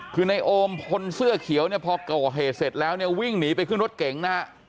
คือในโอมคนเสื้อเขียวเนี่ยพอก่อเหตุเสร็จแล้วเนี่ยวิ่งหนีไปขึ้นรถเก๋งนะฮะ